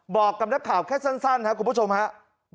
บอกกับนักข่าวแค่สั้นครับคุณผู้ชมครับ